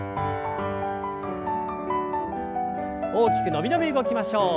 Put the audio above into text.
大きく伸び伸び動きましょう。